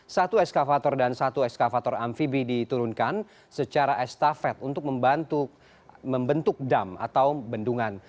satu eskavator dan satu eskavator amfibi diturunkan secara estafet untuk membentuk dam atau bendungan